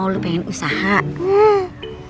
lu pengen usahakan